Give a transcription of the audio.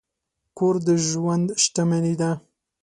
کور د ژوند شتمني ده.